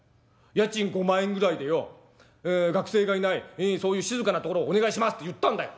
『家賃５万円ぐらいでよ学生がいないそういう静かな所をお願いします』って言ったんだよ。